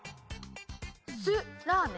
素ラーメン？